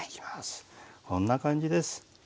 こんな感じです。